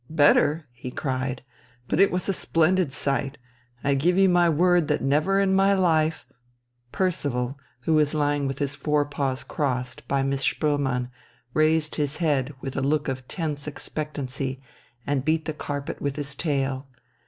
"Better?" he cried. "But it was a splendid sight. I give you my word that never in my life ..." Percival, who was lying with his forepaws crossed, by Miss Spoelmann, raised his head with a look of tense expectancy and beat the carpet with his tail.